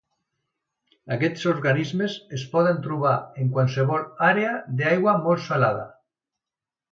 Aquests organismes es poden trobar en qualsevol àrea d'aigua molt salada.